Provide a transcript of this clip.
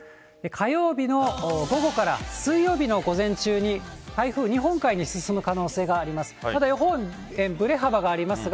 火曜日の午後から、水曜日の午前中に台風、日本海に進む可能性があります。